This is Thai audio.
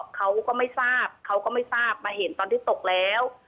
เขาก็ไม่ทราบเขาก็ไม่ทราบมาเห็นตอนที่ตกแล้ว